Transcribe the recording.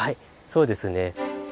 そうですね。